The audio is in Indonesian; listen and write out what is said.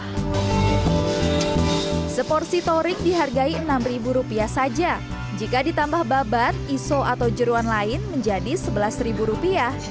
hai seporsi toring dihargai enam ribu rupiah saja jika ditambah babat iso atau jeruan lain menjadi rp sebelas